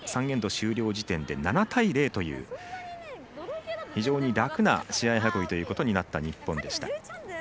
３エンド終了時点で７対０という非常に楽な試合運びということになった日本でした。